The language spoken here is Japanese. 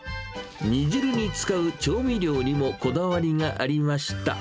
煮汁に使う調味料にもこだわりがありました。